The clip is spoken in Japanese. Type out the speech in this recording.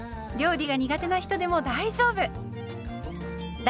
料理が苦手な人でも大丈夫。